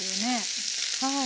はい。